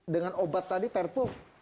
dengan obat tadi perpuh